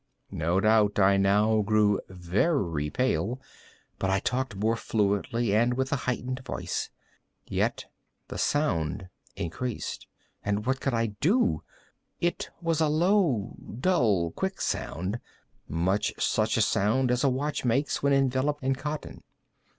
No doubt I now grew very pale;—but I talked more fluently, and with a heightened voice. Yet the sound increased—and what could I do? It was a low, dull, quick sound—much such a sound as a watch makes when enveloped in cotton.